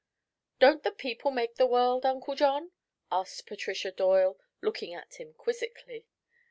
"Don't the people make the world, Uncle John?" asked Patricia Doyle, looking at him quizzically.